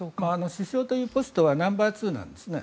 首相というポストはナンバーツーなんですね。